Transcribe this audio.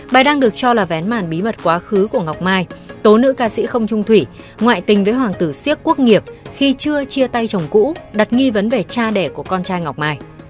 bài đăng được cho là vén màn bí mật quá khứ của ngọc mai tố nữ ca sĩ không trung thủy ngoại tình với hoàng tử siếc quốc nghiệp khi chưa chia tay chồng cũ đặt nghi vấn về cha đẻ của con trai ngọc mai